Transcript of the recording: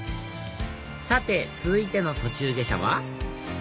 さて続いての途中下車は？